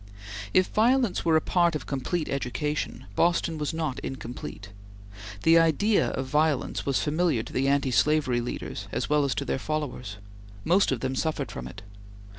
If violence were a part of complete education, Boston was not incomplete. The idea of violence was familiar to the anti slavery leaders as well as to their followers. Most of them suffered from it.